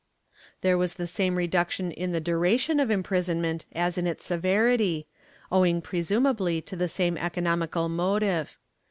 There was the same reduction in the duration of imprisonment as in its severity, owing presumably to the same economical motive.